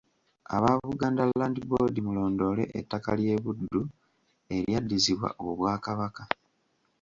Aba Buganda Land Board mulondoole ettaka ly'e Buddu eryaddizibwa Obwakabaka.